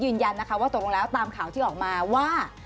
ยืนยันนะคะว่าตกลงแล้วตามข่าวที่ออกมาว่า